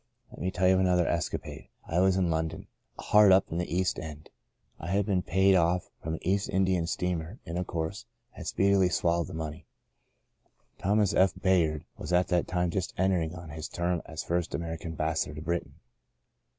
" Let me tell you of another escapade. I was in London — hard up in the East End. I had been paid off from an East Indian steamer, and, of course, had speedily swal lowed the money. Thomas F. Bayard was at that time just entering on his term as first American Ambassador to Britain.